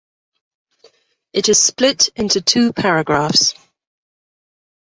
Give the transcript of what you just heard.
It is split into two paragraphs.